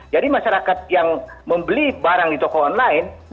jadi masyarakat yang membeli barang di toko online